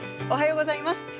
おはようございます。